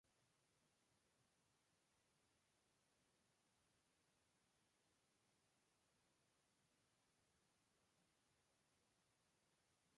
El alerón trasero muestra la vieja "S" de Sabena.